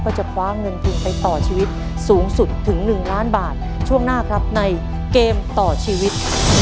จะคว้าเงินทุนไปต่อชีวิตสูงสุดถึง๑ล้านบาทช่วงหน้าครับในเกมต่อชีวิต